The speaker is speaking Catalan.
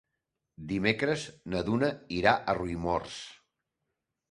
Dimecres na Duna irà a Riumors.